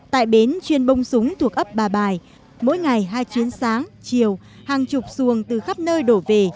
tại bến chuyên bông súng thuộc ấp bà bài mỗi ngày hai chuyến sáng chiều hàng chục xuồng từ khắp nơi đổ về